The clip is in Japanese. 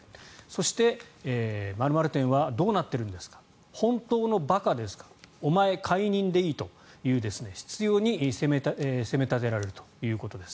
そして、○○店はどうなってるんですか本当の馬鹿ですかお前解任でいいという執ように責め立てられるということです。